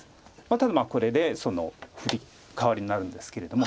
これでフリカワリになるんですけれども。